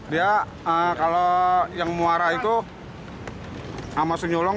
dia kalau yang muara itu sama senyulong